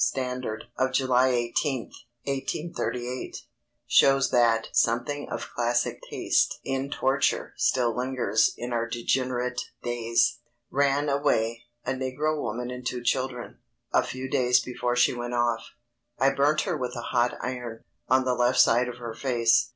Standard of July 18th, 1838, shows that something of classic taste in torture still lingers in our degenerate days. Ran away, a negro woman and two children; a few days before she went off, I burnt her with a hot iron, on the left side of her face.